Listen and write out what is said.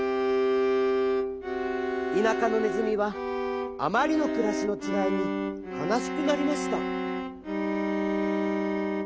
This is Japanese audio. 田舎のねずみはあまりのくらしのちがいにかなしくなりました。